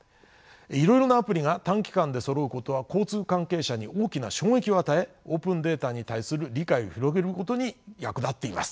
いろいろなアプリが短期間でそろうことは交通関係者に大きな衝撃を与えオープンデータに対する理解を広げることに役立っています。